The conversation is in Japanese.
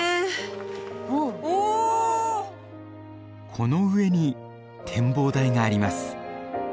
この上に展望台があります。